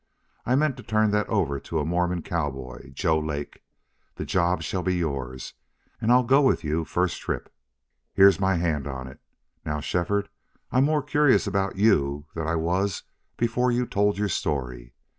I meant to turn that over to a Mormon cowboy Joe Lake. The job shall be yours, and I'll go with you first trip. Here's my hand on it.... Now, Shefford, I'm more curious about you than I was before you told your story.